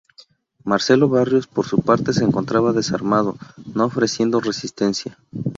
Marcelo Barrios, por su parte, se encontraba desarmado, No Ofreciendo Resistencia.